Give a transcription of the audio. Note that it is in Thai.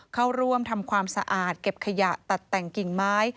เข้าร่วมทำความสะอาดเก็บขยะตัดแต่งกิ่งไม้